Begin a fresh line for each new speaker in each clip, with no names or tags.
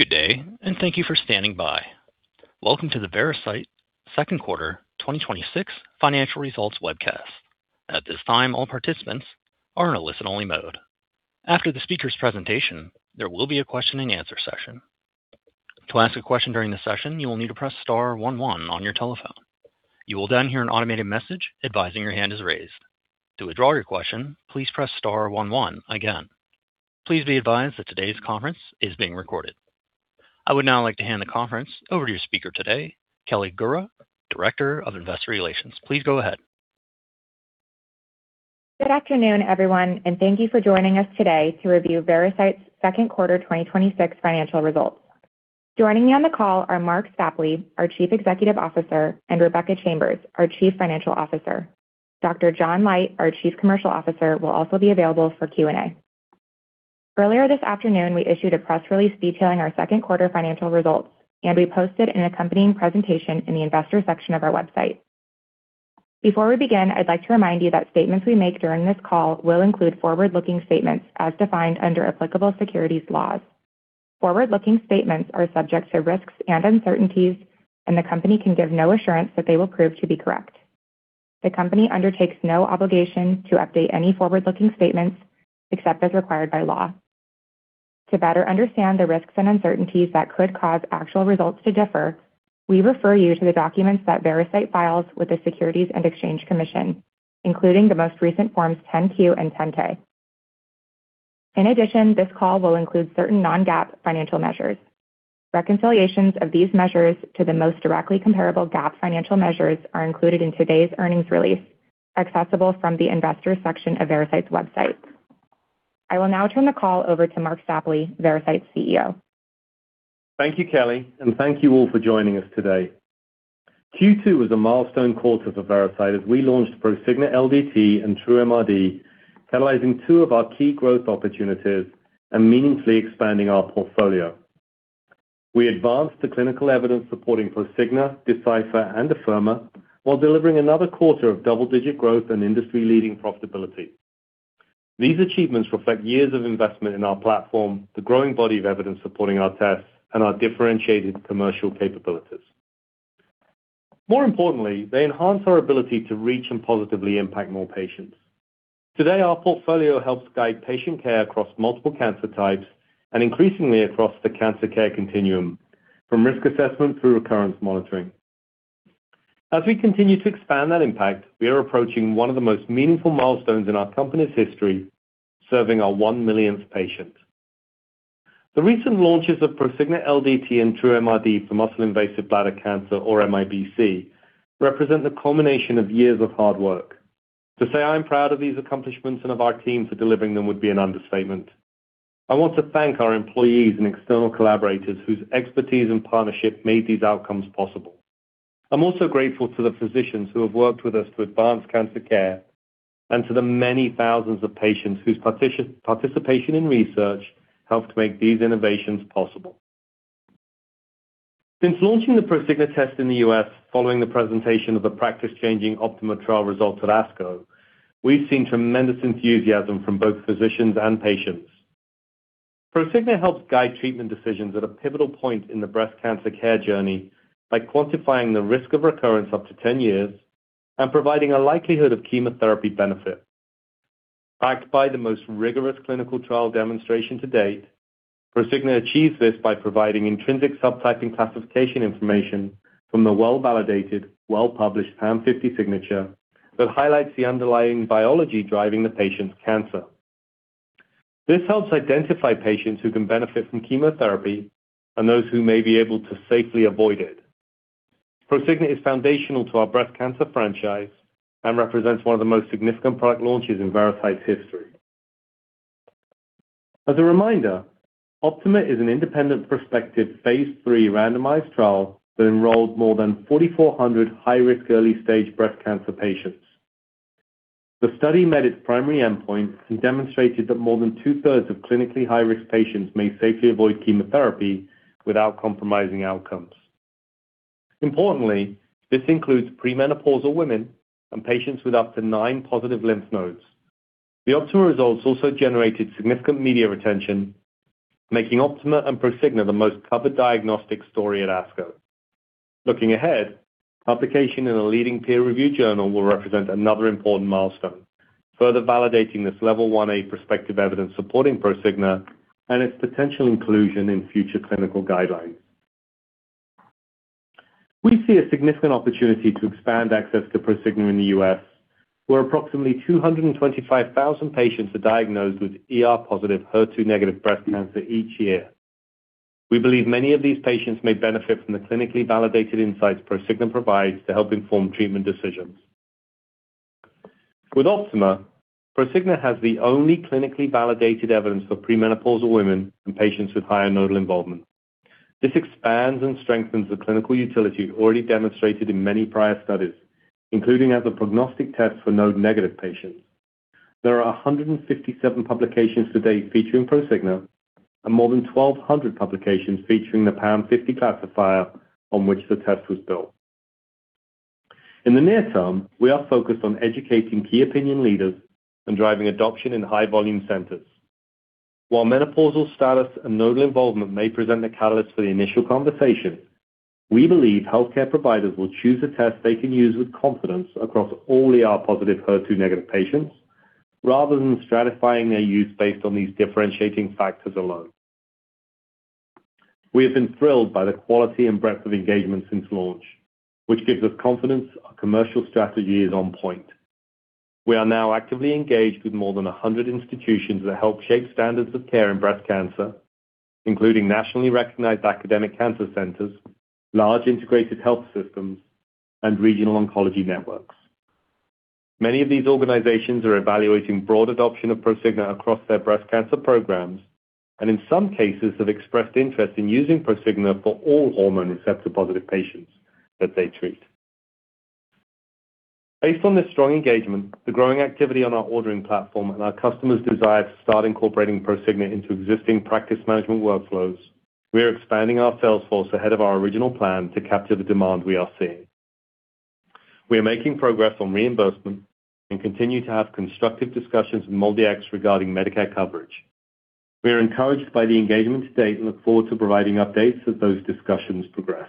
Good day, and thank you for standing by. Welcome to the Veracyte Second Quarter 2026 Financial Results Webcast. At this time, all participants are in a listen-only mode. After the speaker's presentation, there will be a question-and-answer session. To ask a question during the session, you will need to press star one one on your telephone. You will hear an automated message advising your hand is raised. To withdraw your question, please press star one one again. Please be advised that today's conference is being recorded. I would now like to hand the conference over to your speaker today, Kelly Gura, Director of Investor Relations. Please go ahead.
Good afternoon, everyone, and thank you for joining us today to review Veracyte's second quarter 2026 financial results. Joining me on the call are Marc Stapley, our Chief Executive Officer, and Rebecca Chambers, our Chief Financial Officer. Dr. John Leite, our Chief Commercial Officer, will also be available for Q&A. Earlier this afternoon, we issued a press release detailing our second quarter financial results. We posted an accompanying presentation in the Investors section of our website. Before we begin, I'd like to remind you that statements we make during this call will include forward-looking statements as defined under applicable securities laws. Forward-looking statements are subject to risks and uncertainties. The company can give no assurance that they will prove to be correct. The company undertakes no obligation to update any forward-looking statements except as required by law. To better understand the risks and uncertainties that could cause actual results to differ, we refer you to the documents that Veracyte files with the Securities and Exchange Commission, including the most recent Forms 10-Q and 10-K. This call will include certain non-GAAP financial measures. Reconciliations of these measures to the most directly comparable GAAP financial measures are included in today's earnings release, accessible from the Investors section of Veracyte's website. I will now turn the call over to Marc Stapley, Veracyte's CEO.
Thank you, Kelly, and thank you all for joining us today. Q2 was a milestone quarter for Veracyte as we launched Prosigna LDT and TrueMRD, catalyzing two of our key growth opportunities and meaningfully expanding our portfolio. We advanced the clinical evidence supporting Prosigna, Decipher, and Afirma while delivering another quarter of double-digit growth and industry-leading profitability. These achievements reflect years of investment in our platform, the growing body of evidence supporting our tests, and our differentiated commercial capabilities. They enhance our ability to reach and positively impact more patients. Today, our portfolio helps guide patient care across multiple cancer types and increasingly across the cancer care continuum, from risk assessment through recurrence monitoring. As we continue to expand that impact, we are approaching one of the most meaningful milestones in our company's history, serving our one millionth patient. The recent launches of Prosigna LDT and TrueMRD for muscle-invasive bladder cancer, or MIBC, represent the culmination of years of hard work. To say I'm proud of these accomplishments and of our team for delivering them would be an understatement. I want to thank our employees and external collaborators whose expertise and partnership made these outcomes possible. I'm also grateful to the physicians who have worked with us to advance cancer care and to the many thousands of patients whose participation in research helped make these innovations possible. Since launching the Prosigna test in the U.S. following the presentation of the practice-changing OPTIMA trial results at ASCO, we've seen tremendous enthusiasm from both physicians and patients. Prosigna helps guide treatment decisions at a pivotal point in the breast cancer care journey by quantifying the risk of recurrence up to 10 years and providing a likelihood of chemotherapy benefit. Backed by the most rigorous clinical trial demonstration to date, Prosigna achieves this by providing intrinsic subtyping classification information from the well-validated, well-published PAM50 signature that highlights the underlying biology driving the patient's cancer. This helps identify patients who can benefit from chemotherapy and those who may be able to safely avoid it. Prosigna is foundational to our breast cancer franchise and represents one of the most significant product launches in Veracyte's history. As a reminder, OPTIMA is an independent prospective phase III randomized trial that enrolled more than 4,400 high-risk early-stage breast cancer patients. The study met its primary endpoint and demonstrated that more than two-thirds of clinically high-risk patients may safely avoid chemotherapy without compromising outcomes. Importantly, this includes premenopausal women and patients with up to nine positive lymph nodes. The OPTIMA results also generated significant media attention, making OPTIMA and Prosigna the most covered diagnostic story at ASCO. Looking ahead, publication in a leading peer-review journal will represent another important milestone, further validating this level 1A prospective evidence supporting Prosigna and its potential inclusion in future clinical guidelines. We see a significant opportunity to expand access to Prosigna in the U.S., where approximately 225,000 patients are diagnosed with ER-positive, HER2-negative breast cancer each year. We believe many of these patients may benefit from the clinically validated insights Prosigna provides to help inform treatment decisions. With OPTIMA, Prosigna has the only clinically validated evidence for premenopausal women and patients with higher nodal involvement. This expands and strengthens the clinical utility already demonstrated in many prior studies, including as a prognostic test for node-negative patients. There are 157 publications to date featuring Prosigna and more than 1,200 publications featuring the PAM50 classifier on which the test was built. In the near term, we are focused on educating key opinion leaders and driving adoption in high volume centers. While menopausal status and nodal involvement may present the catalyst for the initial conversation, we believe healthcare providers will choose a test they can use with confidence across all ER-positive, HER2-negative patients, rather than stratifying their use based on these differentiating factors alone. We have been thrilled by the quality and breadth of engagement since launch, which gives us confidence our commercial strategy is on point. We are now actively engaged with more than 100 institutions that help shape standards of care in breast cancer, including nationally recognized academic cancer centers, large integrated health systems, and regional oncology networks. Many of these organizations are evaluating broad adoption of Prosigna across their breast cancer programs, and in some cases have expressed interest in using Prosigna for all hormone receptor-positive patients that they treat. Based on this strong engagement, the growing activity on our ordering platform and our customers' desire to start incorporating Prosigna into existing practice management workflows, we are expanding our sales force ahead of our original plan to capture the demand we are seeing. We are making progress on reimbursement and continue to have constructive discussions with MolDX regarding Medicare coverage. We are encouraged by the engagement to date and look forward to providing updates as those discussions progress.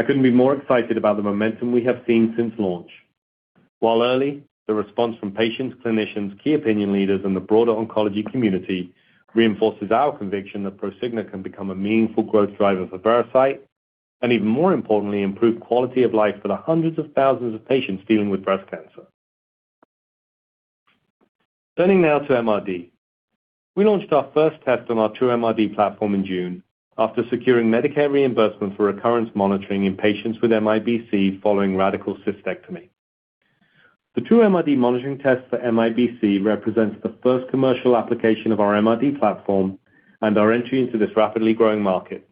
I couldn't be more excited about the momentum we have seen since launch. While early, the response from patients, clinicians, key opinion leaders, and the broader oncology community reinforces our conviction that Prosigna can become a meaningful growth driver for Veracyte and even more importantly, improve quality of life for the hundreds of thousands of patients dealing with breast cancer. Turning now to MRD. We launched our first test on our TrueMRD platform in June after securing Medicare reimbursement for recurrence monitoring in patients with MIBC following radical cystectomy. The TrueMRD monitoring test for MIBC represents the first commercial application of our MRD platform and our entry into this rapidly growing market.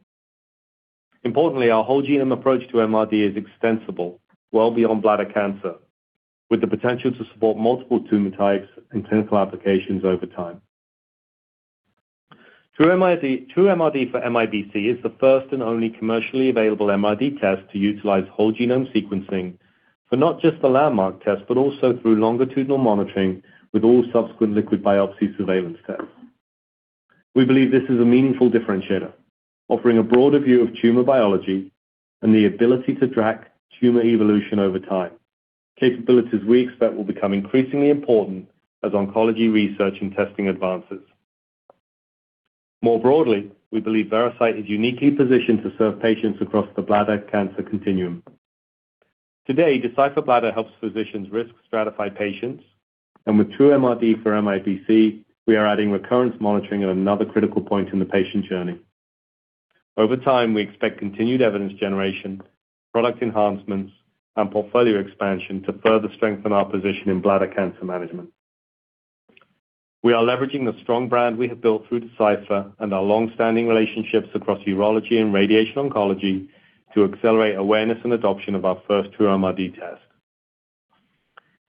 Importantly, our whole genome approach to MRD is extensible well beyond bladder cancer, with the potential to support multiple tumor types and clinical applications over time. TrueMRD for MIBC is the first and only commercially available MRD test to utilize whole genome sequencing for not just the landmark test, but also through longitudinal monitoring with all subsequent liquid biopsy surveillance tests. We believe this is a meaningful differentiator, offering a broader view of tumor biology and the ability to track tumor evolution over time. Capabilities we expect will become increasingly important as oncology research and testing advances. More broadly, we believe Veracyte is uniquely positioned to serve patients across the bladder cancer continuum. Today, Decipher Bladder helps physicians risk stratify patients, and with TrueMRD for MIBC, we are adding recurrence monitoring at another critical point in the patient journey. Over time, we expect continued evidence generation, product enhancements, and portfolio expansion to further strengthen our position in bladder cancer management. We are leveraging the strong brand we have built through Decipher and our long-standing relationships across urology and radiation oncology to accelerate awareness and adoption of our first TrueMRD test.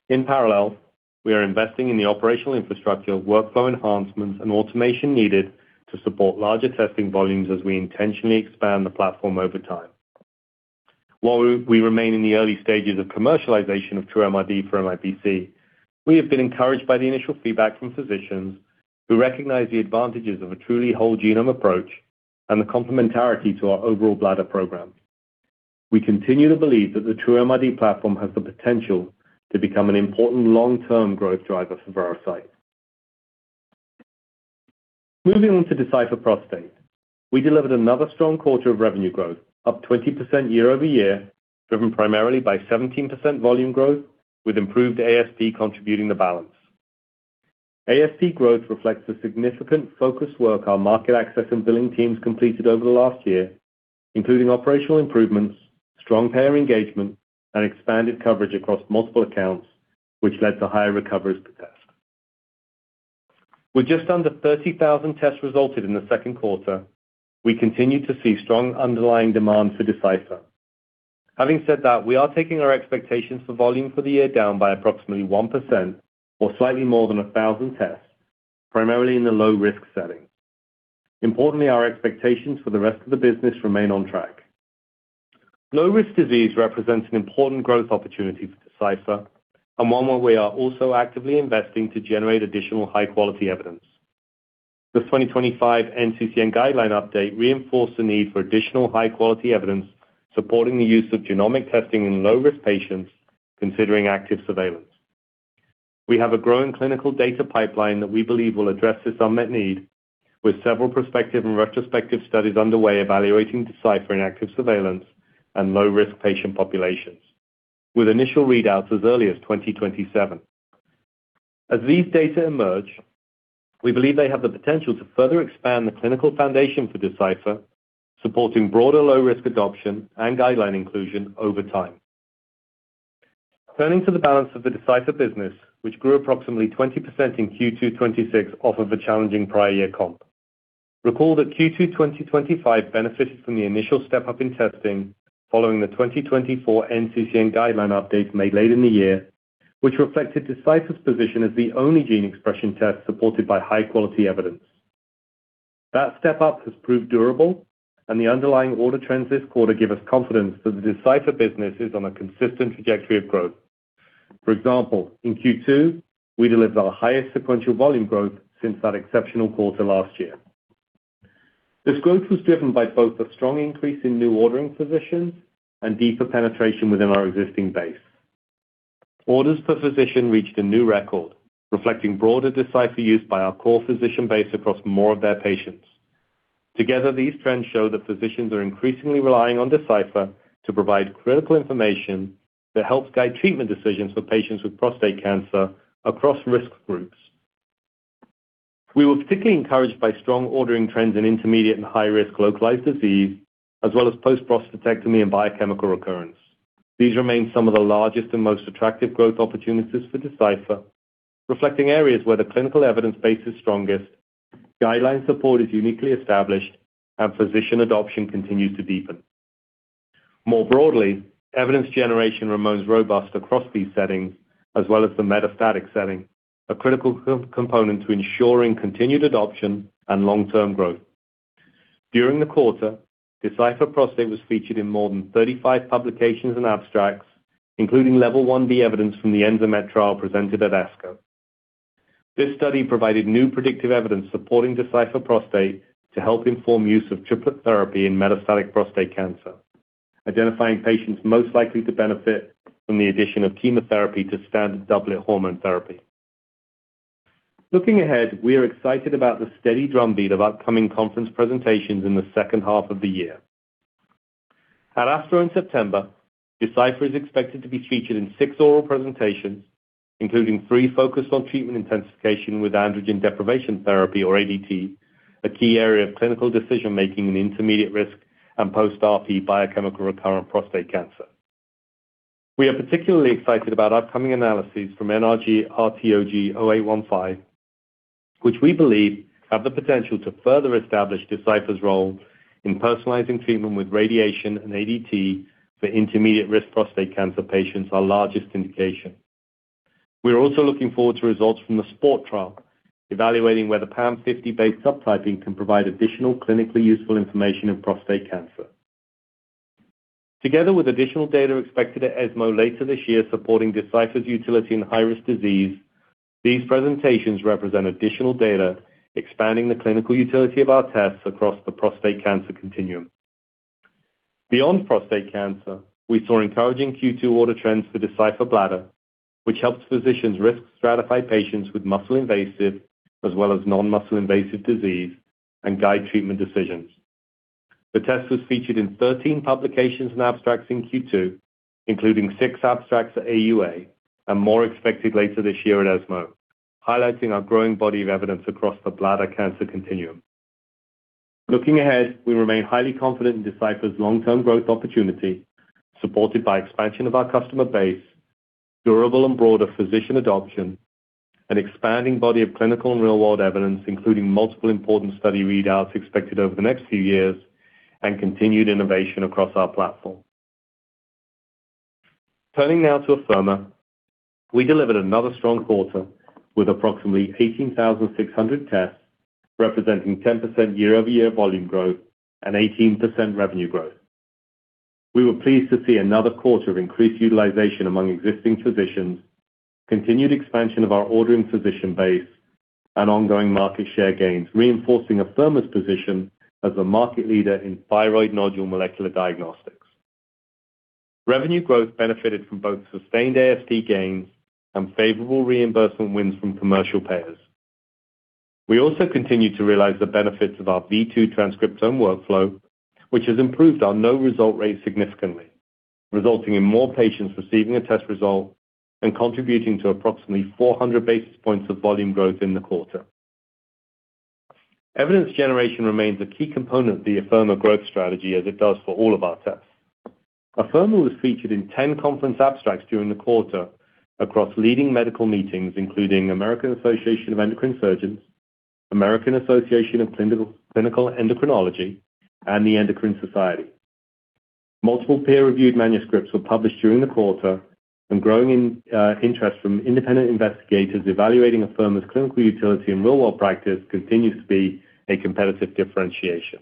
In parallel, we are investing in the operational infrastructure, workflow enhancements, and automation needed to support larger testing volumes as we intentionally expand the platform over time. While we remain in the early stages of commercialization of TrueMRD for MIBC, we have been encouraged by the initial feedback from physicians who recognize the advantages of a truly whole genome approach and the complementarity to our overall bladder program. We continue to believe that the TrueMRD platform has the potential to become an important long-term growth driver for Veracyte. Moving on to Decipher Prostate. We delivered another strong quarter of revenue growth, up 20% year-over-year, driven primarily by 17% volume growth with improved ASP contributing the balance. ASP growth reflects the significant focused work our market access and billing teams completed over the last year, including operational improvements, strong payer engagement, and expanded coverage across multiple accounts, which led to higher recoveries per test. With just under 30,000 tests resulted in the second quarter, we continued to see strong underlying demand for Decipher. Having said that, we are taking our expectations for volume for the year down by approximately 1% or slightly more than 1,000 tests, primarily in the low-risk setting. Importantly, our expectations for the rest of the business remain on track. Low-risk disease represents an important growth opportunity for Decipher and one where we are also actively investing to generate additional high-quality evidence. The 2025 NCCN guideline update reinforced the need for additional high-quality evidence supporting the use of genomic testing in low-risk patients considering active surveillance. We have a growing clinical data pipeline that we believe will address this unmet need with several prospective and retrospective studies underway evaluating Decipher in active surveillance and low-risk patient populations with initial readouts as early as 2027. As these data emerge, we believe they have the potential to further expand the clinical foundation for Decipher, supporting broader low-risk adoption and guideline inclusion over time. Turning to the balance of the Decipher business, which grew approximately 20% in Q2 2026 off of a challenging prior year comp. Recall that Q2 2025 benefited from the initial step-up in testing following the 2024 NCCN guideline update made late in the year, which reflected Decipher's position as the only gene expression test supported by high-quality evidence. That step up has proved durable and the underlying order trends this quarter give us confidence that the Decipher business is on a consistent trajectory of growth. For example, in Q2, we delivered our highest sequential volume growth since that exceptional quarter last year. This growth was driven by both a strong increase in new ordering physicians and deeper penetration within our existing base. Orders per physician reached a new record, reflecting broader Decipher use by our core physician base across more of their patients. Together, these trends show that physicians are increasingly relying on Decipher to provide critical information that helps guide treatment decisions for patients with prostate cancer across risk groups. We were particularly encouraged by strong ordering trends in intermediate and high-risk localized disease, as well as post-prostatectomy and biochemical recurrence. These remain some of the largest and most attractive growth opportunities for Decipher, reflecting areas where the clinical evidence base is strongest, guideline support is uniquely established, and physician adoption continues to deepen. More broadly, evidence generation remains robust across these settings as well as the metastatic setting, a critical component to ensuring continued adoption and long-term growth. During the quarter, Decipher Prostate was featured in more than 35 publications and abstracts, including Level 1B evidence from the ENZAMET trial presented at ASCO. This study provided new predictive evidence supporting Decipher Prostate to help inform use of Triplet Therapy in metastatic prostate cancer, identifying patients most likely to benefit from the addition of chemotherapy to standard doublet hormone therapy. Looking ahead, we are excited about the steady drumbeat of upcoming conference presentations in the second half of the year. At ASCO in September, Decipher is expected to be featured in six oral presentations, including three focused on treatment intensification with Androgen Deprivation Therapy, or ADT, a key area of clinical decision making in intermediate risk and post-RP Biochemical Recurrent prostate cancer. We are particularly excited about upcoming analyses from NRG RTOG 0815, which we believe have the potential to further establish Decipher's role in personalizing treatment with radiation and ADT for intermediate risk prostate cancer patients, our largest indication. We are also looking forward to results from the SPORT trial, evaluating whether PAM50-based subtyping can provide additional clinically useful information in prostate cancer. Together with additional data expected at ESMO later this year supporting Decipher's utility in high-risk disease, these presentations represent additional data expanding the clinical utility of our tests across the prostate cancer continuum. Beyond prostate cancer, we saw encouraging Q2 order trends for Decipher Bladder, which helps physicians risk stratify patients with muscle invasive as well as non-muscle invasive disease and guide treatment decisions. The test was featured in 13 publications and abstracts in Q2, including six abstracts at AUA and more expected later this year at ESMO, highlighting our growing body of evidence across the bladder cancer continuum. Looking ahead, we remain highly confident in Decipher's long-term growth opportunity, supported by expansion of our customer base, durable and broader physician adoption, an expanding body of clinical and real-world evidence, including multiple important study readouts expected over the next few years, and continued innovation across our platform. Turning now to Afirma. We delivered another strong quarter with approximately 18,600 tests, representing 10% year-over-year volume growth and 18% revenue growth. We were pleased to see another quarter of increased utilization among existing physicians, continued expansion of our ordering physician base, and ongoing market share gains, reinforcing Afirma's position as a market leader in thyroid nodule molecular diagnostics. Revenue growth benefited from both sustained ASP gains and favorable reimbursement wins from commercial payers. We also continue to realize the benefits of our V2 transcriptome workflow, which has improved our no result rate significantly, resulting in more patients receiving a test result and contributing to approximately 400 basis points of volume growth in the quarter. Evidence generation remains a key component of the Afirma growth strategy, as it does for all of our tests. Afirma was featured in 10 conference abstracts during the quarter across leading medical meetings, including American Association of Endocrine Surgeons, American Association of Clinical Endocrinology, and the Endocrine Society. Multiple peer-reviewed manuscripts were published during the quarter and growing interest from independent investigators evaluating Afirma's clinical utility in real-world practice continues to be a competitive differentiation.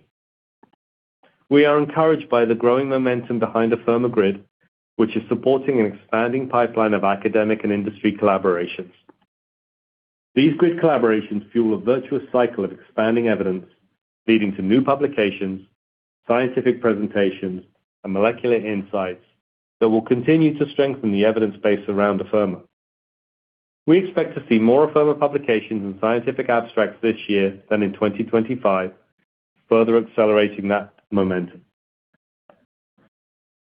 We are encouraged by the growing momentum behind Afirma GRID, which is supporting an expanding pipeline of academic and industry collaborations. These GRID collaborations fuel a virtuous cycle of expanding evidence, leading to new publications, scientific presentations, and molecular insights that will continue to strengthen the evidence base around Afirma. We expect to see more Afirma publications and scientific abstracts this year than in 2025, further accelerating that momentum.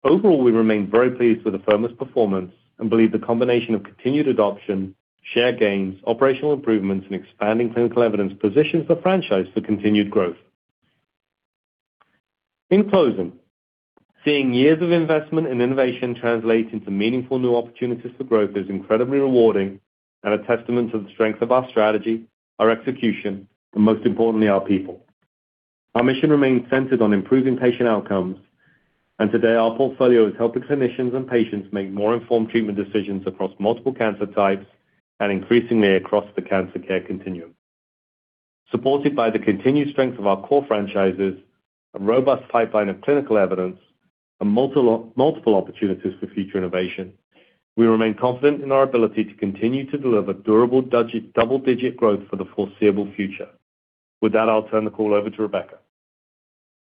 Overall, we remain very pleased with Afirma's performance and believe the combination of continued adoption, share gains, operational improvements, and expanding clinical evidence positions the franchise for continued growth. In closing, seeing years of investment and innovation translate into meaningful new opportunities for growth is incredibly rewarding and a testament to the strength of our strategy, our execution, and most importantly, our people. Our mission remains centered on improving patient outcomes. Today, our portfolio is helping clinicians and patients make more informed treatment decisions across multiple cancer types and increasingly across the cancer care continuum. Supported by the continued strength of our core franchises, a robust pipeline of clinical evidence, and multiple opportunities for future innovation, we remain confident in our ability to continue to deliver durable double-digit growth for the foreseeable future. With that, I'll turn the call over to Rebecca.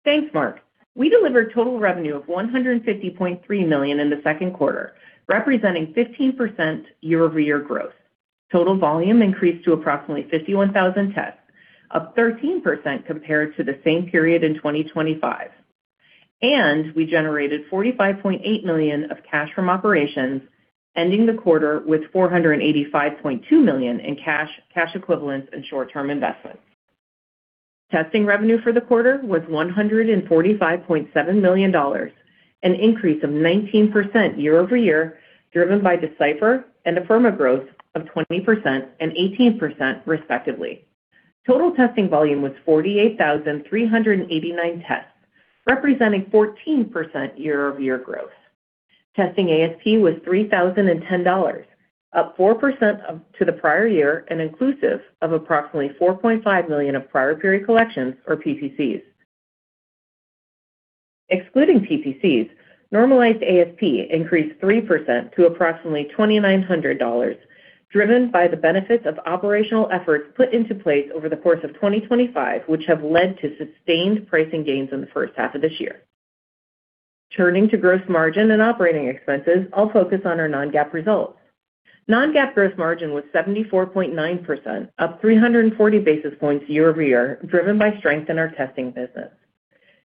Thanks, Marc. We delivered total revenue of $150.3 million in the second quarter, representing 15% year-over-year growth. Total volume increased to approximately 51,000 tests, up 13% compared to the same period in 2025. We generated $45.8 million of cash from operations, ending the quarter with $485.2 million in cash equivalents, and short-term investments. Testing revenue for the quarter was $145.7 million, an increase of 19% year-over-year, driven by Decipher and Afirma growth of 20% and 18% respectively. Total testing volume was 48,389 tests, representing 14% year-over-year growth. Testing ASP was $3,010, up 4% to the prior year and inclusive of approximately $4.5 million of prior period collections, or PPCs. Excluding PPCs, normalized ASP increased 3% to approximately $2,900, driven by the benefits of operational efforts put into place over the course of 2025, which have led to sustained pricing gains in the first half of this year. Turning to gross margin and operating expenses, I'll focus on our non-GAAP results. Non-GAAP gross margin was 74.9%, up 340 basis points year-over-year, driven by strength in our testing business.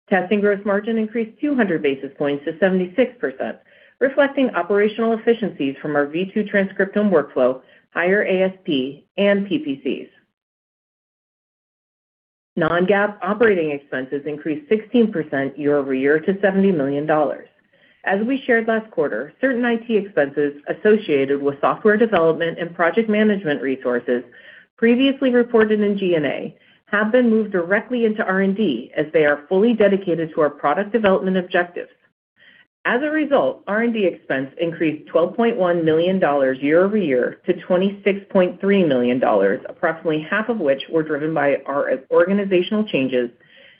Testing gross margin increased 200 basis points to 76%, reflecting operational efficiencies from our V2 transcriptome workflow, higher ASP, and PPCs. Non-GAAP operating expenses increased 16% year-over-year to $70 million. As we shared last quarter, certain IT expenses associated with software development and project management resources previously reported in G&A have been moved directly into R&D as they are fully dedicated to our product development objectives. As a result, R&D expense increased $12.1 million year-over-year to $26.3 million, approximately half of which were driven by our organizational changes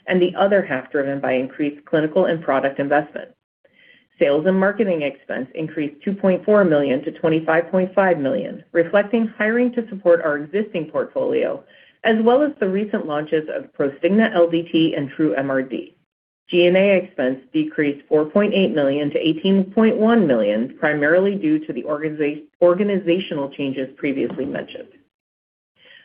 and the other half driven by increased clinical and product investments. Sales and marketing expense increased $2.4 million to $25.5 million, reflecting hiring to support our existing portfolio, as well as the recent launches of Prosigna LDT and TrueMRD. G&A expense decreased $4.8 million to $18.1 million, primarily due to the organizational changes previously mentioned.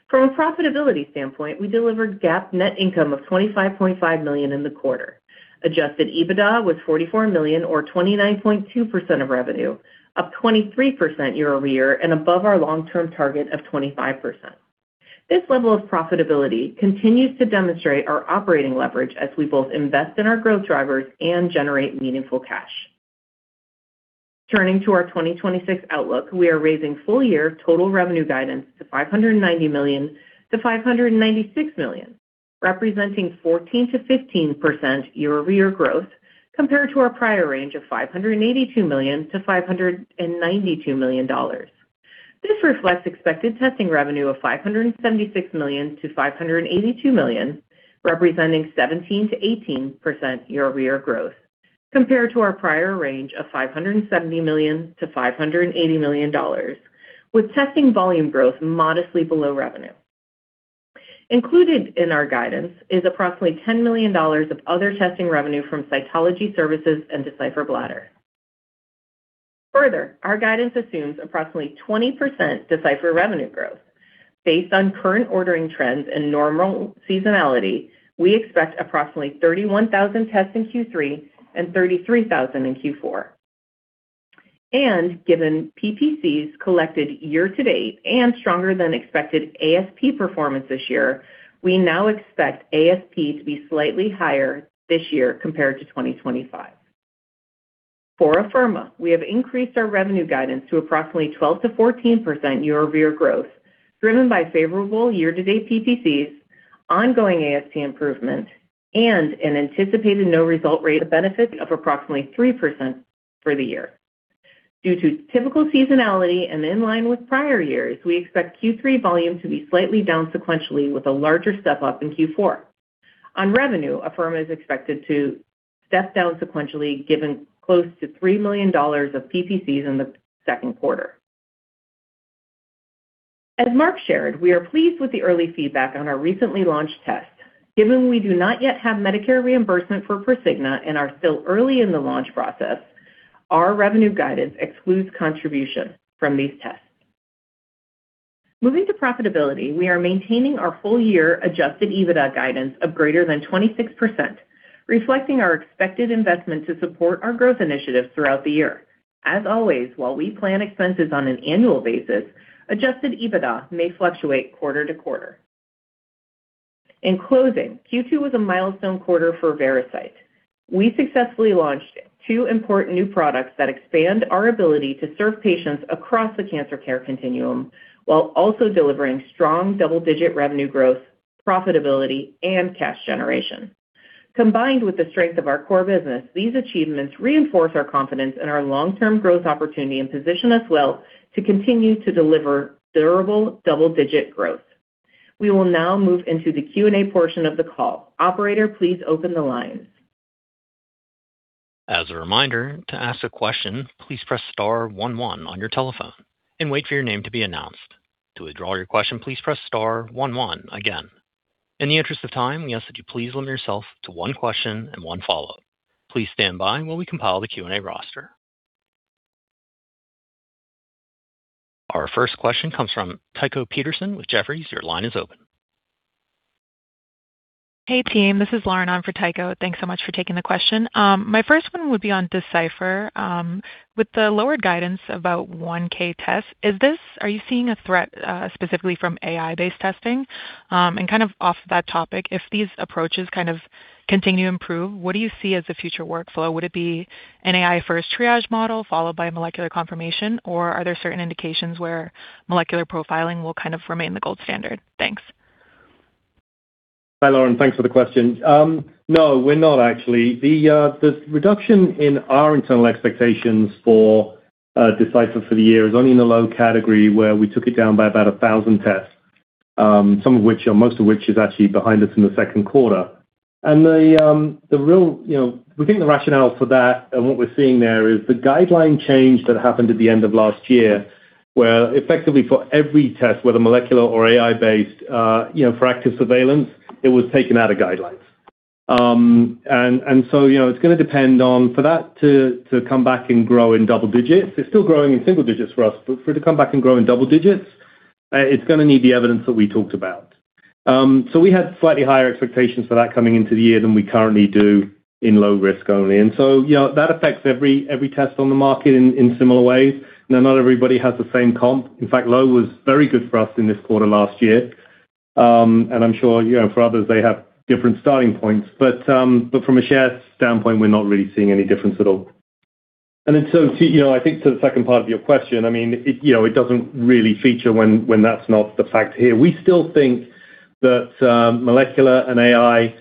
From a profitability standpoint, we delivered GAAP net income of $25.5 million in the quarter. Adjusted EBITDA was $44 million, or 29.2% of revenue, up 23% year-over-year and above our long-term target of 25%. This level of profitability continues to demonstrate our operating leverage as we both invest in our growth drivers and generate meaningful cash. Turning to our 2026 outlook, we are raising full-year total revenue guidance to $590 million-$596 million, representing 14% to 15% year-over-year growth compared to our prior range of $582 million-$592 million. This reflects expected testing revenue of $576 million-$582 million, representing 17% to 18% year-over-year growth, compared to our prior range of $570 million-$580 million, with testing volume growth modestly below revenue. Included in our guidance is approximately $10 million of other testing revenue from cytology services and Decipher Bladder. Further, our guidance assumes approximately 20% Decipher revenue growth. Based on current ordering trends and normal seasonality, we expect approximately 31,000 tests in Q3 and 33,000 in Q4. Given PPCs collected year to date and stronger than expected ASP performance this year, we now expect ASP to be slightly higher this year compared to 2025. For Afirma, we have increased our revenue guidance to approximately 12% to 14% year-over-year growth, driven by favorable year-to-date PPCs, ongoing ASP improvement, and an anticipated no result rate of benefit of approximately 3% for the year. Due to typical seasonality and in line with prior years, we expect Q3 volume to be slightly down sequentially, with a larger step-up in Q4. On revenue, Afirma is expected to step down sequentially, given close to $3 million of PPCs in the second quarter. As Marc shared, we are pleased with the early feedback on our recently launched tests. Given we do not yet have Medicare reimbursement for Prosigna and are still early in the launch process, our revenue guidance excludes contribution from these tests. Moving to profitability, we are maintaining our full year Adjusted EBITDA guidance of greater than 26%, reflecting our expected investment to support our growth initiatives throughout the year. As always, while we plan expenses on an annual basis, Adjusted EBITDA may fluctuate quarter to quarter. In closing, Q2 was a milestone quarter for Veracyte. We successfully launched two important new products that expand our ability to serve patients across the cancer care continuum, while also delivering strong double-digit revenue growth, profitability, and cash generation. Combined with the strength of our core business, these achievements reinforce our confidence in our long-term growth opportunity and position us well to continue to deliver durable double-digit growth. We will now move into the Q&A portion of the call. Operator, please open the lines.
As a reminder, to ask a question, please press star one one on your telephone and wait for your name to be announced. To withdraw your question, please press star one one again. In the interest of time, we ask that you please limit yourself to one question and one follow. Please stand by while we compile the Q&A roster. Our first question comes from Tycho Peterson with Jefferies. Your line is open.
Hey, team. This is Lauren on for Tycho. Thanks so much for taking the question. My first one would be on Decipher. With the lowered guidance about 1K tests, are you seeing a threat, specifically from AI-based testing? Off that topic, if these approaches continue to improve, what do you see as the future workflow? Would it be an AI-first triage model followed by molecular confirmation, or are there certain indications where molecular profiling will remain the gold standard? Thanks.
Hi, Lauren. Thanks for the question. No, we're not actually. The reduction in our internal expectations for Decipher for the year is only in the low category, where we took it down by about 1,000 tests. Most of which is actually behind us in the second quarter. We think the rationale for that and what we're seeing there is the guideline change that happened at the end of last year, where effectively for every test, whether molecular or AI-based, for active surveillance, it was taken out of guidelines. So it's going to depend on for that to come back and grow in double digits. It's still growing in single digits for us, but for it to come back and grow in double digits, it's going to need the evidence that we talked about. We had slightly higher expectations for that coming into the year than we currently do in low risk only. That affects every test on the market in similar ways. Not everybody has the same comp. In fact, low was very good for us in this quarter last year. I'm sure, for others, they have different starting points. From a share standpoint, we're not really seeing any difference at all. I think to the second part of your question, it doesn't really feature when that's not the fact here. We still think that molecular and AI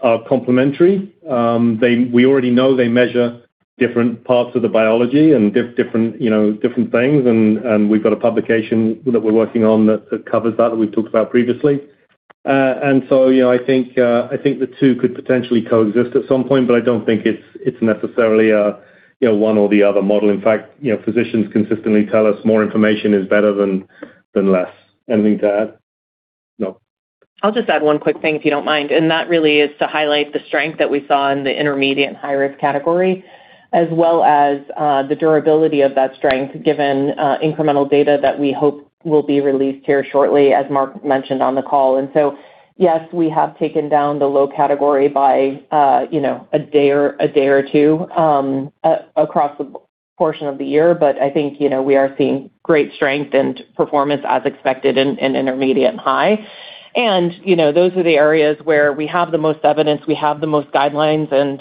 are complementary. We already know they measure different parts of the biology and different things and we've got a publication that we're working on that covers that we've talked about previously. I think the two could potentially coexist at some point, but I don't think it's necessarily a one or the other model. In fact, physicians consistently tell us more information is better than less. Anything to add? No.
I'll just add one quick thing, if you don't mind. That really is to highlight the strength that we saw in the intermediate and high-risk category, as well as the durability of that strength, given incremental data that we hope will be released here shortly, as Marc mentioned on the call. Yes, we have taken down the low category by a day or two across the portion of the year. I think we are seeing great strength and performance as expected in intermediate and high. Those are the areas where we have the most evidence, we have the most guidelines and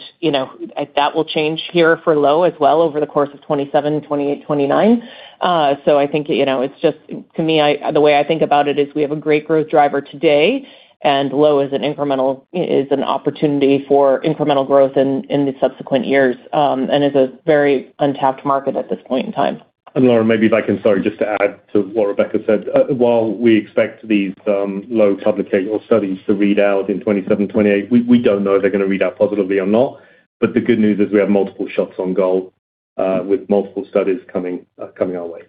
that will change here for low as well over the course of 2027, 2028, 2029. I think, to me, the way I think about it is we have a great growth driver today, low is an opportunity for incremental growth in the subsequent years and is a very untapped market at this point in time.
Lauren, maybe if I can, sorry, just to add to what Rebecca said. While we expect these low publication or studies to read out in 2027, 2028, we don't know if they're going to read out positively or not. The good news is we have multiple shots on goal with multiple studies coming our way.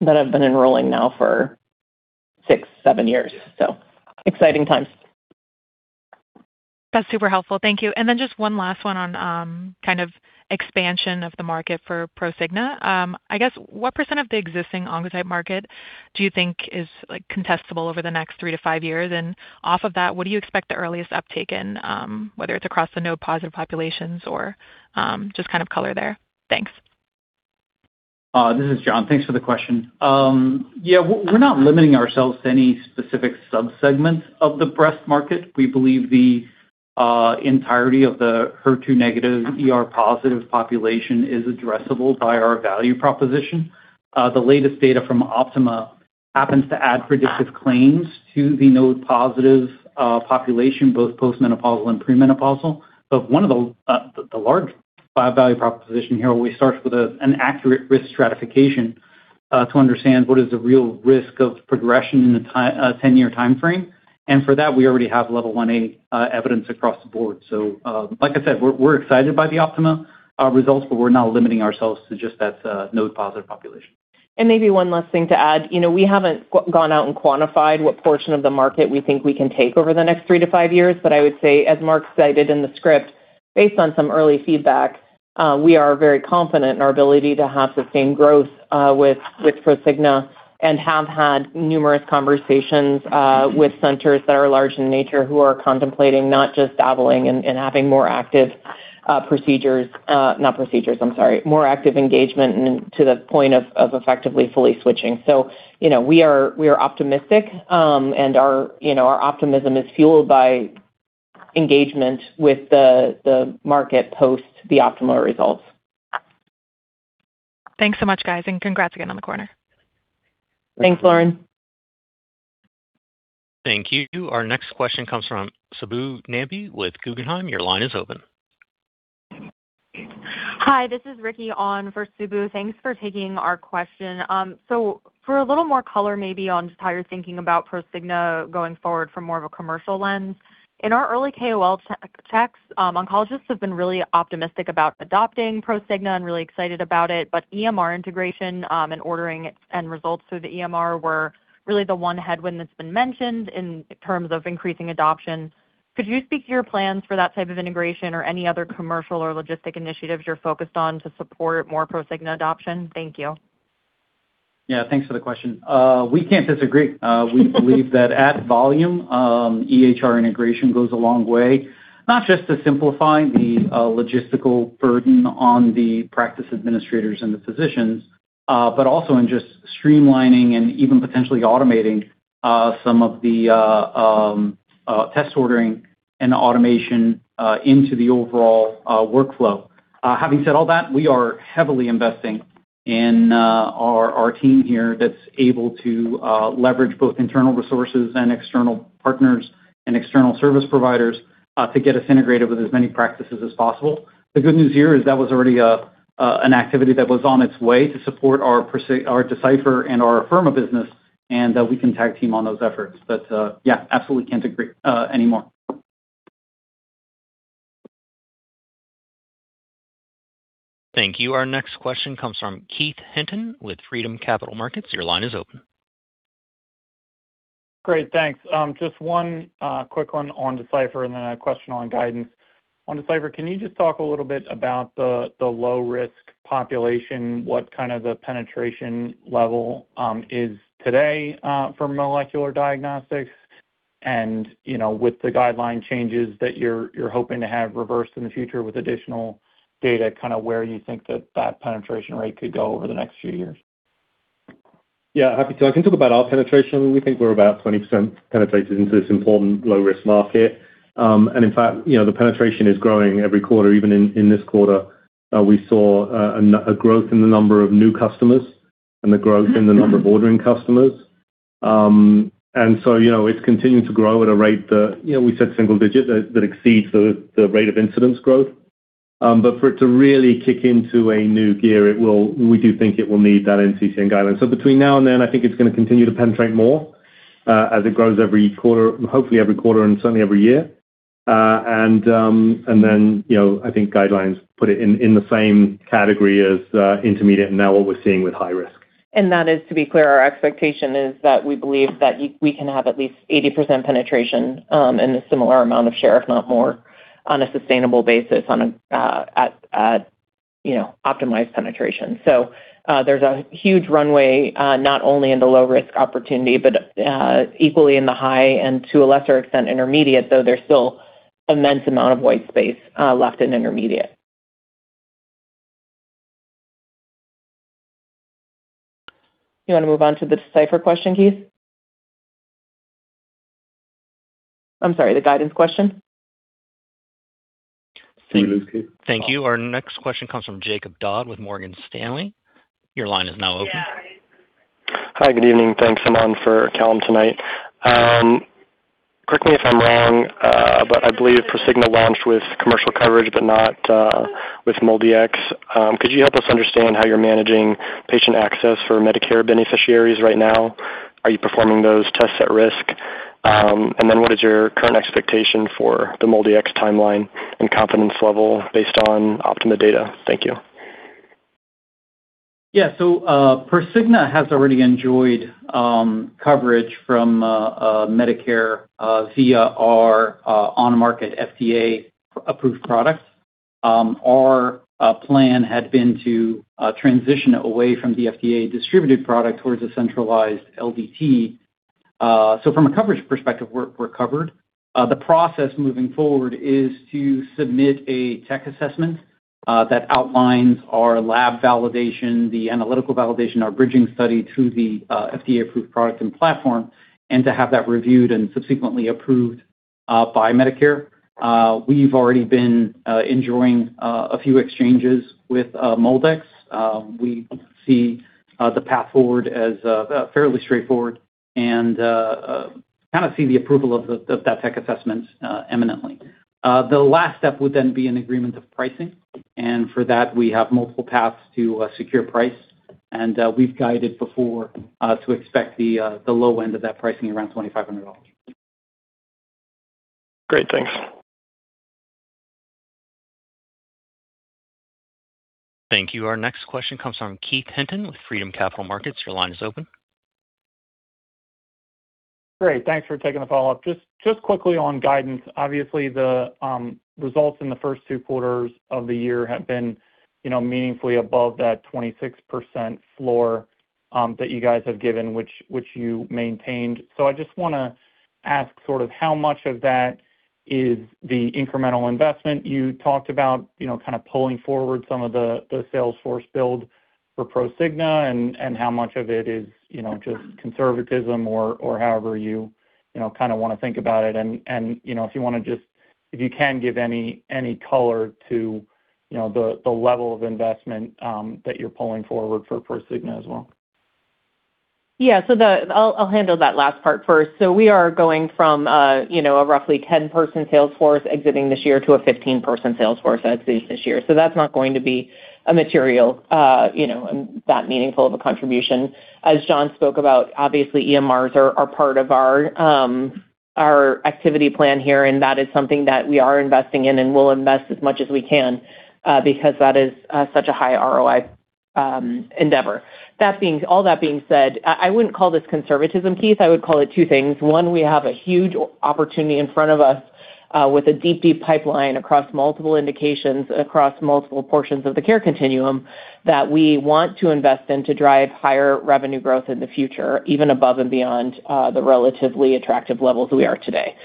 That have been enrolling now for six, seven years. Exciting times.
That's super helpful. Thank you. Just one last one on expansion of the market for Prosigna. I guess, what percent of the existing Oncotype market do you think is contestable over the next three to five years? What do you expect the earliest uptake in, whether it's across the node-positive populations or just color there? Thanks.
This is John. Thanks for the question. Yeah, we're not limiting ourselves to any specific subsegments of the breast market. We believe the entirety of the HER2-negative, ER-positive population is addressable by our value proposition. The latest data from OPTIMA happens to add predictive claims to the node-positive population, both post-menopausal and pre-menopausal. The large value proposition here always starts with an accurate risk stratification to understand what is the real risk of progression in the 10-year timeframe. For that, we already have Level 1A evidence across the board. Like I said, we're excited by the OPTIMA results, but we're not limiting ourselves to just that node-positive population.
Maybe one last thing to add. We haven't gone out and quantified what portion of the market we think we can take over the next three to five years, I would say, as Marc stated in the script, based on some early feedback, we are very confident in our ability to have sustained growth with Prosigna and have had numerous conversations with centers that are large in nature who are contemplating not just dabbling and having more active engagement and to the point of effectively fully switching. We are optimistic, and our optimism is fueled by engagement with the market post the OPTIMA results.
Thanks so much, guys, and congrats again on the quarter.
Thanks, Lauren.
Thank you. Our next question comes from Subbu Nambi with Guggenheim. Your line is open.
Hi, this is Ricki on for Subu. Thanks for taking our question. For a little more color maybe on just how you're thinking about Prosigna going forward from more of a commercial lens. In our early KOL checks, oncologists have been really optimistic about adopting Prosigna and really excited about it, EMR integration and ordering end results through the EMR were really the one headwind that's been mentioned in terms of increasing adoption. Could you speak to your plans for that type of integration or any other commercial or logistic initiatives you're focused on to support more Prosigna adoption? Thank you.
Thanks for the question. We can't disagree. We believe that at volume, EHR integration goes a long way, not just to simplify the logistical burden on the practice administrators and the physicians, but also in just streamlining and even potentially automating some of the test ordering and automation into the overall workflow. Having said all that, we are heavily investing in our team here that's able to leverage both internal resources and external partners and external service providers to get us integrated with as many practices as possible. The good news here is that was already an activity that was on its way to support our Decipher and Afirma business, and that we can tag team on those efforts. Absolutely can't agree anymore.
Thank you. Our next question comes from Keith Hinton with Freedom Capital Markets. Your line is open.
Great, thanks. Just one quick one on Decipher and then a question on guidance. On Decipher, can you just talk a little bit about the low-risk population, what kind of the penetration level is today for molecular diagnostics, and with the guideline changes that you're hoping to have reversed in the future with additional data, where you think that penetration rate could go over the next few years?
Happy to. I can talk about our penetration. We think we're about 20% penetrated into this important low-risk market. In fact, the penetration is growing every quarter. Even in this quarter, we saw a growth in the number of new customers and a growth in the number of ordering customers. It's continuing to grow at a rate that, we said single-digit, that exceeds the rate of incidence growth. For it to really kick into a new gear, we do think it will need that NCCN guideline. Between now and then, I think it's going to continue to penetrate more as it grows every quarter, hopefully every quarter and certainly every year. I think guidelines put it in the same category as intermediate and now what we're seeing with high-risk.
That is, to be clear, our expectation is that we believe that we can have at least 80% penetration and a similar amount of share, if not more, on a sustainable basis at optimized penetration. There's a huge runway, not only in the low-risk opportunity but equally in the high and to a lesser extent, intermediate, though there's still immense amount of white space left in intermediate. You want to move on to the Decipher question, Keith? I'm sorry, the guidance question?
Thank you. Our next question comes from Jakob Dodd with Morgan Stanley. Your line is now open.
Hi, good evening. Thanks, Aman, for Dodd tonight. Correct me if I'm wrong, but I believe Prosigna launched with commercial coverage, but not with MolDX. Could you help us understand how you're managing patient access for Medicare beneficiaries right now? Are you performing those tests at risk? What is your current expectation for the MolDX timeline and confidence level based on OPTIMA data? Thank you.
Yeah. Prosigna has already enjoyed coverage from Medicare via our on-market FDA-approved product. Our plan had been to transition away from the FDA distributed product towards a centralized LDT. From a coverage perspective, we're covered. The process moving forward is to submit a tech assessment that outlines our lab validation, the analytical validation, our bridging study to the FDA-approved product and platform, and to have that reviewed and subsequently approved by Medicare. We've already been enjoying a few exchanges with MolDX. We see the path forward as fairly straightforward and kind of see the approval of that tech assessment imminently. The last step would then be an agreement of pricing, and for that, we have multiple paths to a secure price, and we've guided before to expect the low end of that pricing around $2,500.
Great. Thanks.
Thank you. Our next question comes from Keith Hinton with Freedom Capital Markets. Your line is open.
Great. Thanks for taking the follow-up. Just quickly on guidance, obviously the results in the first two quarters of the year have been meaningfully above that 26% floor that you guys have given, which you maintained. I just want to ask how much of that is the incremental investment you talked about pulling forward some of the sales force build for Prosigna and how much of it is just conservatism or however you want to think about it and if you can give any color to the level of investment that you're pulling forward for Prosigna as well?
Yeah. I'll handle that last part first. We are going from a roughly 10-person sales force exiting this year to a 15-person sales force as of this year. That's not going to be a material, that meaningful of a contribution. As John spoke about, obviously EMRs are part of our activity plan here, and that is something that we are investing in, and we'll invest as much as we can because that is such a high ROI endeavor. All that being said, I wouldn't call this conservatism, Keith. I would call it two things. One, we have a huge opportunity in front of us with a deep pipeline across multiple indications, across multiple portions of the care continuum that we want to invest in to drive higher revenue growth in the future, even above and beyond the relatively attractive levels we are today.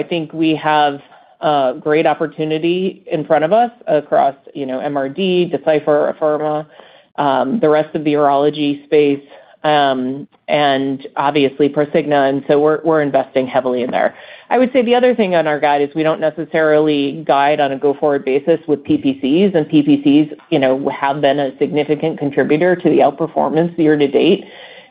I think we have a great opportunity in front of us across MRD, Decipher, Afirma, the rest of the urology space, and obviously Prosigna. We're investing heavily in there. I would say the other thing on our guide is we don't necessarily guide on a go-forward basis with PPCs, and PPCs have been a significant contributor to the outperformance year to date.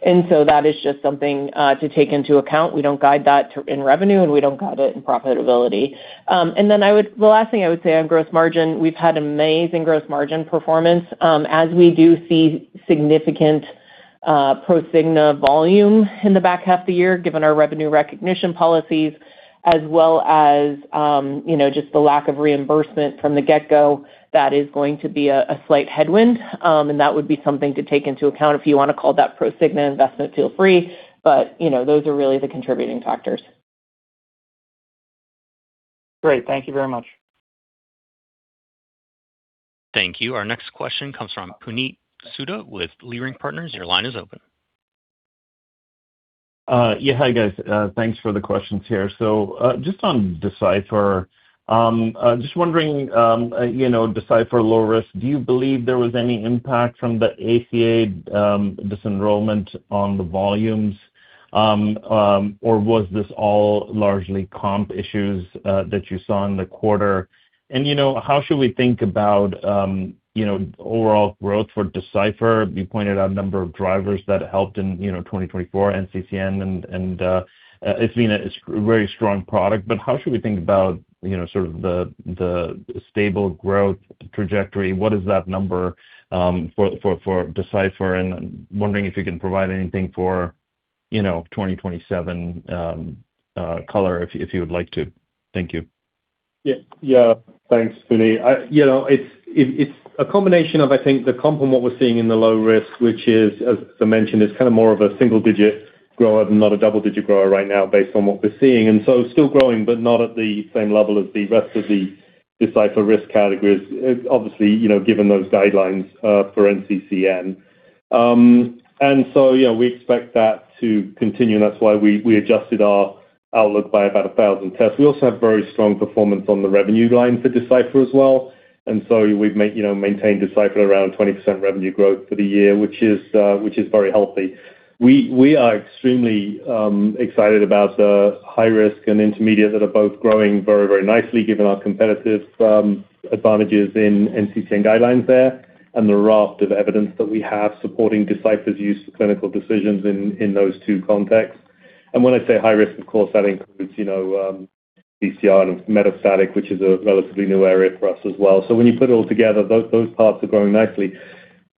That is just something to take into account. We don't guide that in revenue. We don't guide it in profitability. The last thing I would say on gross margin, we've had amazing gross margin performance as we do see significant Prosigna volume in the back half of the year, given our revenue recognition policies as well as just the lack of reimbursement from the get-go. That is going to be a slight headwind, and that would be something to take into account. If you want to call that Prosigna investment, feel free. Those are really the contributing factors.
Great. Thank you very much.
Thank you. Our next question comes from Puneet Souda with Leerink Partners. Your line is open.
Hi, guys. Thanks for the questions here. Just on Decipher, just wondering, Decipher low risk, do you believe there was any impact from the ACA disenrollment on the volumes? Was this all largely comp issues that you saw in the quarter? How should we think about overall growth for Decipher? You pointed out a number of drivers that helped in 2024 NCCN and it's been a very strong product. How should we think about sort of the stable growth trajectory? What is that number for Decipher? I'm wondering if you can provide anything for 2027 color if you would like to. Thank you.
Thanks, Puneet. It's a combination of, I think, the comp and what we're seeing in the low risk, which is, as I mentioned, is kind of more of a single-digit grower than not a double-digit grower right now based on what we're seeing. Still growing, but not at the same level as the rest of the Decipher risk categories, obviously, given those guidelines for NCCN. Yeah, we expect that to continue, and that's why we adjusted our outlook by about 1,000 tests. We also have very strong performance on the revenue line for Decipher as well. We've maintained Decipher around 20% revenue growth for the year, which is very healthy. We are extremely excited about the high risk and intermediate that are both growing very nicely given our competitive advantages in NCCN guidelines there and the raft of evidence that we have supporting Decipher's use for clinical decisions in those two contexts. When I say high risk, of course, that includes BCR and metastatic, which is a relatively new area for us as well. When you put it all together, those parts are growing nicely.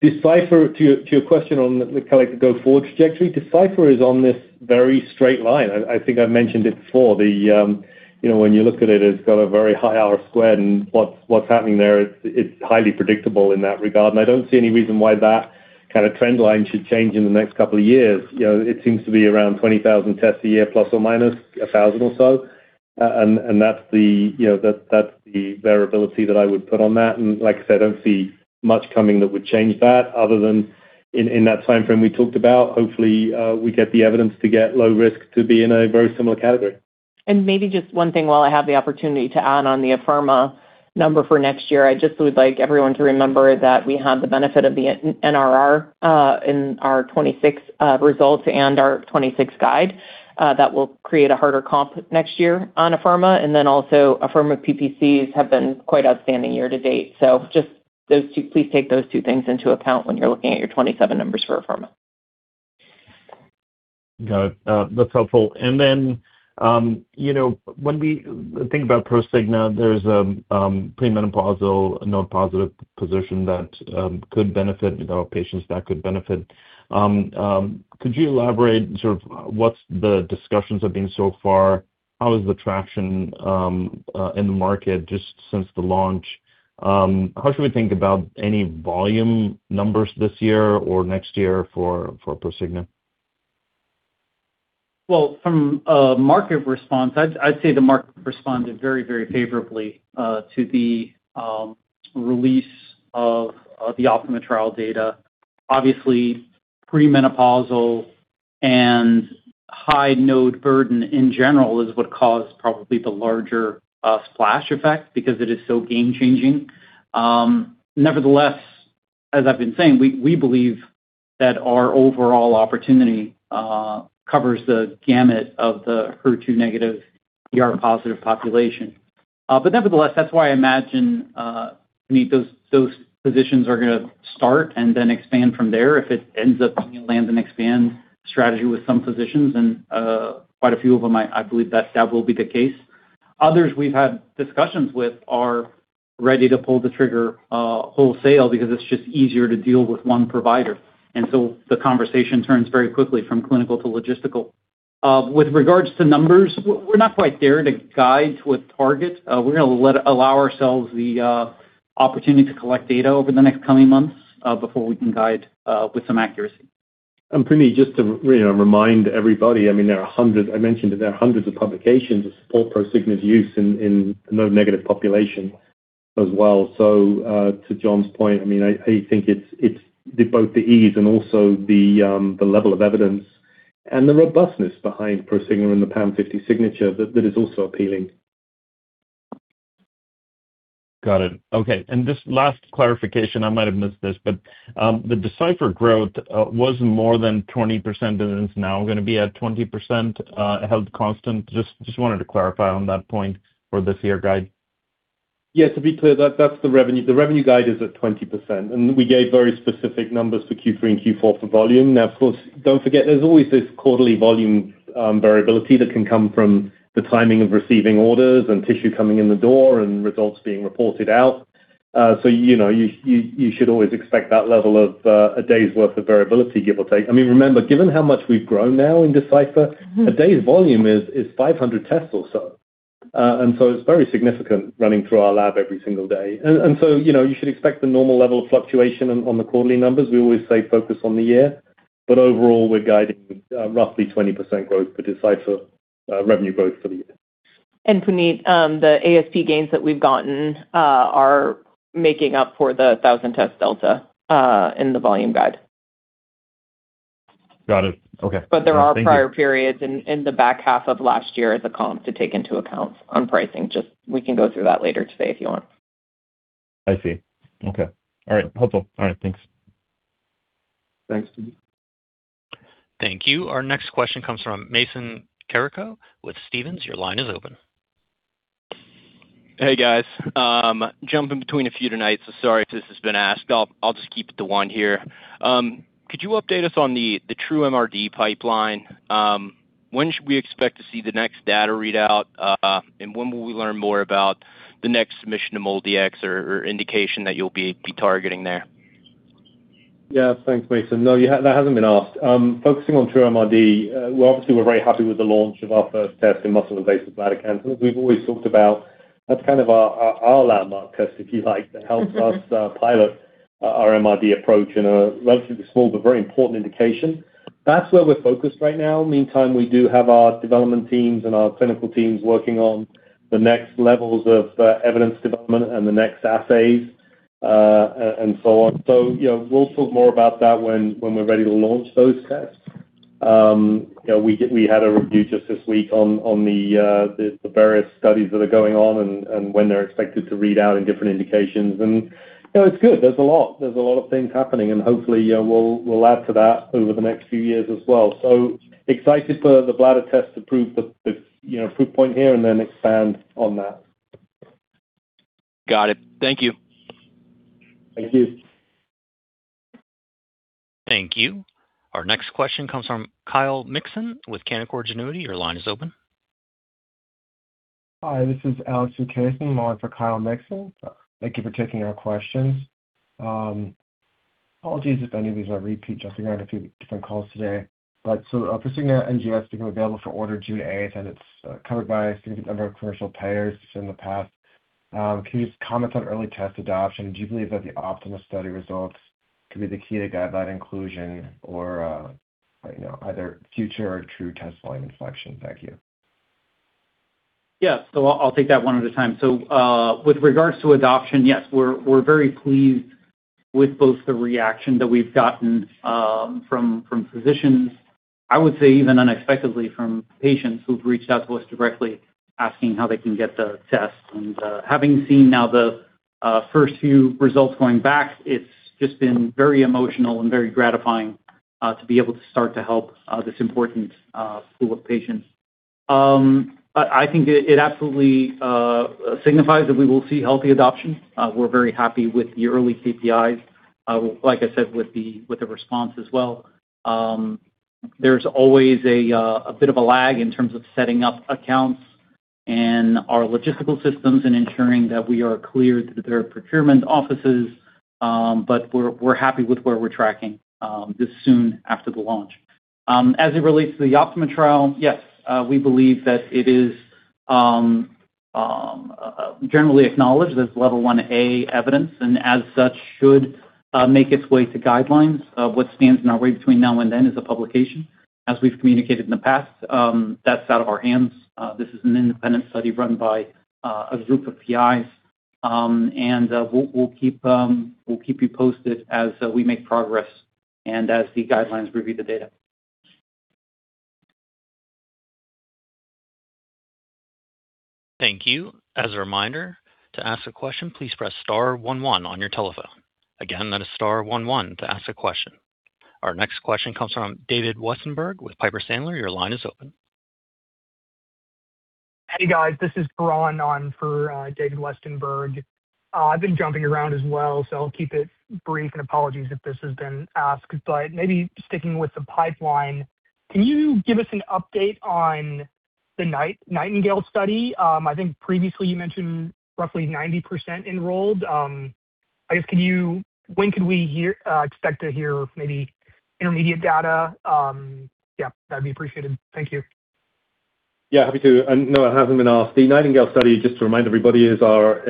To your question on the kind of go-forward trajectory, Decipher is on this very straight line. I think I've mentioned it before. When you look at it's got a very high R squared, and what's happening there is highly predictable in that regard. I don't see any reason why that kind of trend line should change in the next couple of years. It seems to be around 20,000 tests a year, plus or minus 1,000 or so. That's the variability that I would put on that. Like I said, I don't see much coming that would change that other than in that timeframe we talked about. Hopefully, we get the evidence to get low risk to be in a very similar category.
Maybe just one thing while I have the opportunity to add on the Afirma number for next year. I just would like everyone to remember that we have the benefit of the NRR in our 2026 results and our 2026 guide. That will create a harder comp next year on Afirma. Also Afirma PPCs have been quite outstanding year to date. Just please take those two things into account when you're looking at your 2027 numbers for Afirma.
Got it. That's helpful. When we think about Prosigna, there's a premenopausal node-positive position that could benefit patients that could benefit. Could you elaborate sort of what the discussions have been so far? How is the traction in the market just since the launch? How should we think about any volume numbers this year or next year for Prosigna?
Well, from a market response, I'd say the market responded very favorably to the release of the OPTIMA trial data. Obviously, premenopausal and high node burden in general is what caused probably the larger splash effect because it is so game-changing. Nevertheless, as I've been saying, we believe that our overall opportunity covers the gamut of the HER2-negative, ER-positive population. Nevertheless, that's why I imagine, Puneet, those physicians are going to start and then expand from there if it ends up being a land and expand strategy with some physicians, and quite a few of them, I believe that will be the case. Others we've had discussions with are ready to pull the trigger wholesale because it's just easier to deal with one provider. The conversation turns very quickly from clinical to logistical. With regards to numbers, we're not quite there to guide with targets. We're going to allow ourselves the opportunity to collect data over the next coming months, before we can guide with some accuracy.
Puneet, just to remind everybody, I mentioned that there are hundreds of publications that support Prosigna's use in node-negative population as well. To John's point, I think it's both the ease and also the level of evidence and the robustness behind Prosigna and the PAM50 signature that is also appealing.
Got it. Okay. Just last clarification, I might have missed this, but the Decipher growth was more than 20%, and it's now going to be at 20% held constant. Just wanted to clarify on that point for this year guide.
Yeah, to be clear, that's the revenue. The revenue guide is at 20%, and we gave very specific numbers for Q3 and Q4 for volume. Now, of course, don't forget, there's always this quarterly volume variability that can come from the timing of receiving orders and tissue coming in the door and results being reported out. You should always expect that level of a day's worth of variability, give or take. Remember, given how much we've grown now in Decipher, a day's volume is 500 tests or so. It's very significant running through our lab every single day. You should expect the normal level of fluctuation on the quarterly numbers. We always say focus on the year. Overall, we're guiding roughly 20% growth for Decipher revenue growth for the year.
Puneet, the ASP gains that we've gotten are making up for the 1,000 test delta in the volume guide.
Got it. Okay. Thank you.
There are prior periods in the back half of last year as a comp to take into account on pricing. Just we can go through that later today if you want.
I see. Okay. All right. Helpful. All right, thanks.
Thanks, Puneet.
Thank you. Our next question comes from Mason Carrico with Stephens. Your line is open.
Hey, guys. Jumping between a few tonight, so sorry if this has been asked. I'll just keep it to one here. Could you update us on the TrueMRD pipeline? When should we expect to see the next data readout? When will we learn more about the next submission to MolDX or indication that you'll be targeting there?
Yeah. Thanks, Mason. No, that hasn't been asked. Focusing on TrueMRD, obviously we're very happy with the launch of our first test in muscle invasive bladder cancer. As we've always talked about, that's kind of our landmark test, if you like, that helps us pilot our MRD approach in a relatively small but very important indication. That's where we're focused right now. Meantime, we do have our development teams and our clinical teams working on the next levels of evidence development and the next assays, and so on. We'll talk more about that when we're ready to launch those tests. We had a review just this week on the various studies that are going on and when they're expected to read out in different indications. It's good. There's a lot of things happening, and hopefully, we'll add to that over the next few years as well. Excited for the bladder test to prove the proof point here and then expand on that.
Got it. Thank you.
Thank you.
Thank you. Our next question comes from Kyle Mikson with Canaccord Genuity. Your line is open.
Hi, this is Alex DeCaso in the line for Kyle Mikson. Thank you for taking our questions. Apologies if any of these are repeats. I've been on a few different calls today. Prosigna NGS became available for order June 8th, and it's covered by a significant number of commercial payers in the past. Can you just comment on early test adoption? Do you believe that the OPTIMA study results could be the key to guideline inclusion or either future or true test volume inflection? Thank you.
Yeah. I'll take that one at a time. With regards to adoption, yes, we're very pleased with both the reaction that we've gotten from physicians, I would say even unexpectedly from patients who've reached out to us directly asking how they can get the test. Having seen now the first few results going back, it's just been very emotional and very gratifying to be able to start to help this important pool of patients. I think it absolutely signifies that we will see healthy adoption. We're very happy with the early KPIs, like I said, with the response as well. There's always a bit of a lag in terms of setting up accounts and our logistical systems and ensuring that we are clear through their procurement offices. We're happy with where we're tracking this soon after the launch. As it relates to the OPTIMA trial, yes, we believe that it is generally acknowledged as Level 1A evidence, should make its way to guidelines. What stands in our way between now and then is a publication. As we've communicated in the past, that's out of our hands. This is an independent study run by a group of PIs. We'll keep you posted as we make progress and as the guidelines review the data.
Thank you. As a reminder, to ask a question, please press star one one on your telephone. Again, that is star one one to ask a question. Our next question comes from David Westenberg with Piper Sandler. Your line is open.
Hey, guys. This is Bron on for David Westenberg. I've been jumping around as well. I'll keep it brief. Apologies if this has been asked. Maybe sticking with the pipeline, can you give us an update on the NIGHTINGALE study? I think previously you mentioned roughly 90% enrolled. When could we expect to hear maybe intermediate data? That'd be appreciated. Thank you.
Yeah, happy to. No, it hasn't been asked. The NIGHTINGALE study, just to remind everybody, it's a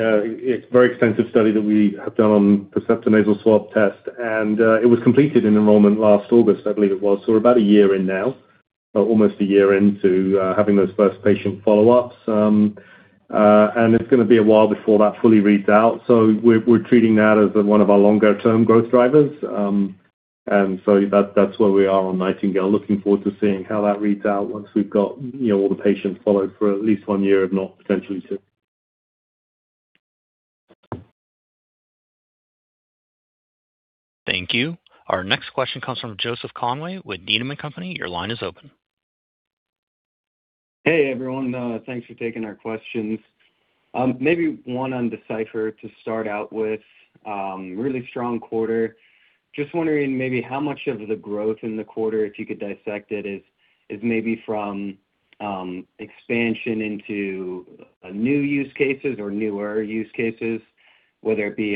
very extensive study that we have done on Percepta nasal swab test. It was completed in enrollment last August, I believe it was. We're about a year in now. Well, almost a year into having those first patient follow-ups. It's going to be a while before that fully reads out. We're treating that as one of our longer-term growth drivers. That's where we are on Nightingale. Looking forward to seeing how that reads out once we've got all the patients followed for at least one year, if not potentially two.
Thank you. Our next question comes from Joseph Conway with Needham & Company. Your line is open.
Hey, everyone. Thanks for taking our questions. Maybe one on Decipher to start out with. Really strong quarter. Just wondering maybe how much of the growth in the quarter, if you could dissect it, is maybe from expansion into new use cases or newer use cases, whether it be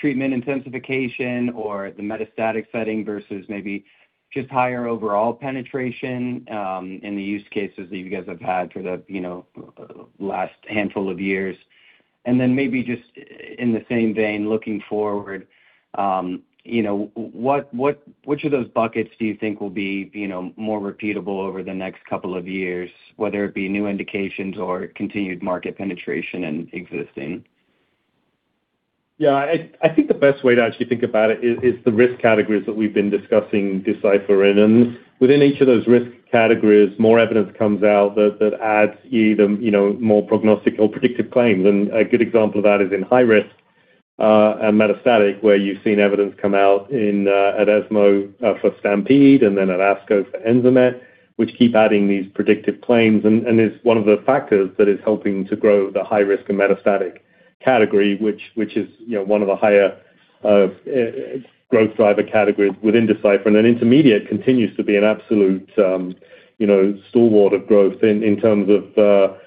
treatment intensification or the metastatic setting versus maybe just higher overall penetration in the use cases that you guys have had for the last handful of years. Maybe just in the same vein, looking forward, which of those buckets do you think will be more repeatable over the next couple of years, whether it be new indications or continued market penetration in existing?
Yeah, I think the best way to actually think about it is the risk categories that we've been discussing Decipher in. Within each of those risk categories, more evidence comes out that adds either more prognostic or predictive claims. A good example of that is in high risk and metastatic, where you've seen evidence come out at ESMO for STAMPEDE at ASCO for ENZAMET, which keep adding these predictive claims and is one of the factors that is helping to grow the high risk and metastatic category, which is one of the higher growth driver categories within Decipher. Intermediate continues to be an absolute stalwart of growth in terms of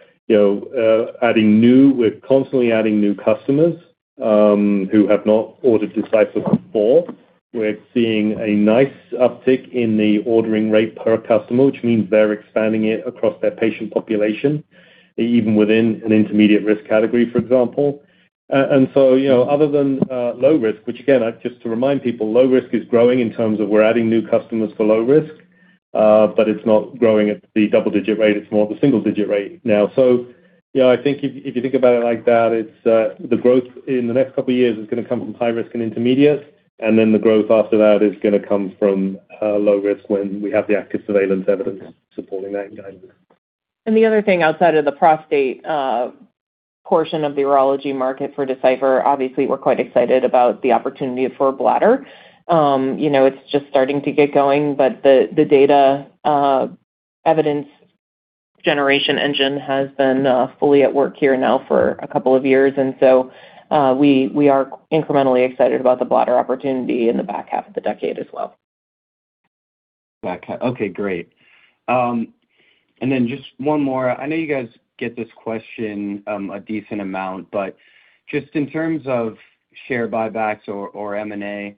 adding new. We're constantly adding new customers who have not ordered Decipher before. We're seeing a nice uptick in the ordering rate per customer, which means they're expanding it across their patient population, even within an intermediate risk category, for example. Other than low risk, which again, just to remind people, low risk is growing in terms of we're adding new customers for low risk, but it's not growing at the double-digit rate. It's more of a single-digit rate now. I think if you think about it like that, the growth in the next couple of years is going to come from high risk and intermediate, and then the growth after that is going to come from low risk when we have the active surveillance evidence supporting that in guidance.
The other thing outside of the prostate portion of the urology market for Decipher, obviously, we're quite excited about the opportunity for bladder. It's just starting to get going, but the data evidence generation engine has been fully at work here now for a couple of years. We are incrementally excited about the bladder opportunity in the back half of the decade as well.
Back half. Okay, great. Just one more. I know you guys get this question a decent amount, but just in terms of share buybacks or M&A,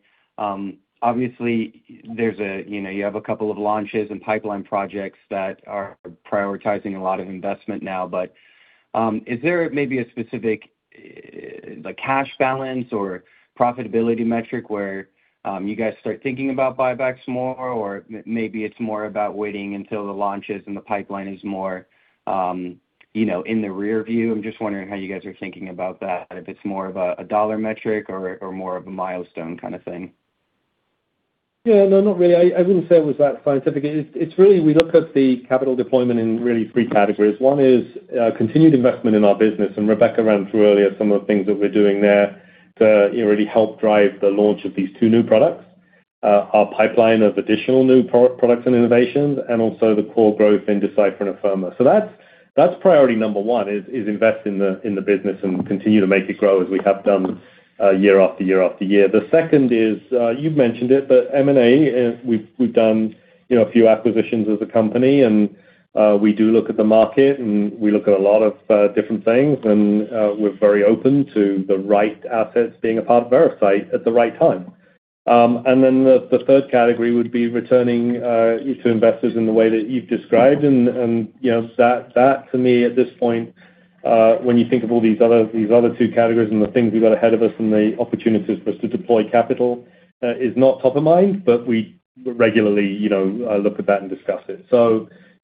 obviously you have a couple of launches and pipeline projects that are prioritizing a lot of investment now. Is there maybe a specific cash balance or profitability metric where you guys start thinking about buybacks more, or maybe it's more about waiting until the launches and the pipeline is more in the rear view? I'm just wondering how you guys are thinking about that, if it's more of a dollar metric or more of a milestone kind of thing.
Yeah. No, not really. I wouldn't say it was that scientific. It's really, we look at the capital deployment in really three categories. One is continued investment in our business, Rebecca ran through earlier some of the things that we're doing there to really help drive the launch of these two new products. Our pipeline of additional new products and innovations, and also the core growth in Decipher and Afirma. That's priority number one, is invest in the business and continue to make it grow as we have done year after year after year. The second is, you've mentioned it, but M&A. We've done a few acquisitions as a company, and we do look at the market and we look at a lot of different things, and we're very open to the right assets being a part of Veracyte at the right time. The third category would be returning to investors in the way that you've described. That to me at this point, when you think of all these other two categories and the things we got ahead of us and the opportunities for us to deploy capital, is not top of mind, but we regularly look at that and discuss it.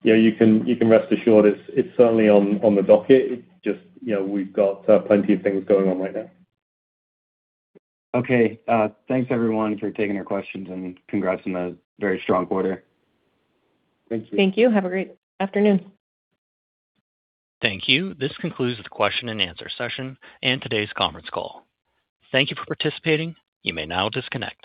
You can rest assured it's certainly on the docket. It's just we've got plenty of things going on right now.
Thanks, everyone, for taking our questions, and congrats on a very strong quarter.
Thank you.
Thank you. Have a great afternoon.
Thank you. This concludes the question and answer session and today's conference call. Thank you for participating. You may now disconnect.